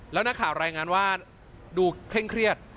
แล้วนักข่าวรายงานว่าดูเคร่งเครียด